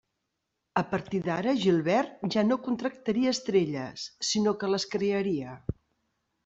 A partir d'ara, Gilbert ja no contractaria estrelles; sinó que les crearia.